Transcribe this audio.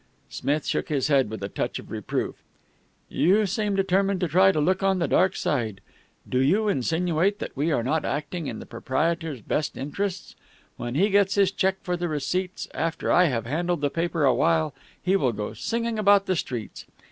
Smith shook his head with a touch of reproof. "You seem determined to try to look on the dark side. Do you insinuate that we are not acting in the proprietor's best interests? When he gets his check for the receipts, after I have handled the paper awhile, he will go singing about the streets.